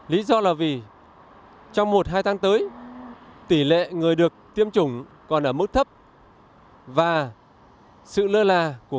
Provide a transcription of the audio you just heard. lý do là vì trong một hai tháng tới tỷ lệ người được tiêm chủng còn ở mức thấp và sự lơ là của